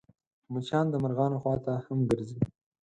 مچان د مرغانو خوا ته هم ګرځي